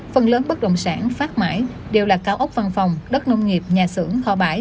phần lớn bất động sản phát mãi đều là cao ốc văn phòng đất nông nghiệp nhà xưởng kho bãi